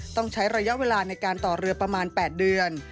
ต้องใช้ระยะเวลาในการต่อเรือประมาณ๘เดือน